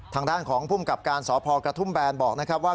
ทางด้านของผู้กับการสพกระทุ่มแบนบอกว่า